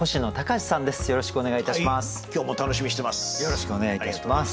今日も楽しみにしてます。